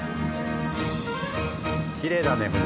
きれいだね船。